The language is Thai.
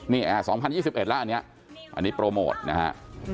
นี่๒๐๒๑แล้วอันนี้อันนี้โปรโมทนะฮะ